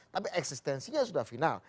tapi eksistensinya sudah final